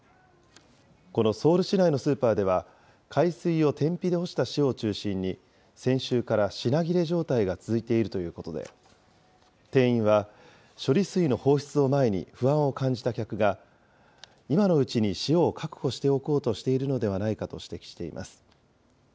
このソウル市内のスーパーでは、海水を天日で干した塩を中心に、先週から品切れ状態が続いているということで、店員は、処理水の放出を前に不安を感じた客が、今のうちに塩を確保しておこうとしているのではないかと指摘しています。